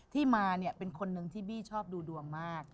ที่มาเนี่ยเป็นคนนึงที่บี้ชอบดูดวงมาก